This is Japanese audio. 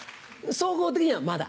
総合的にはまだ。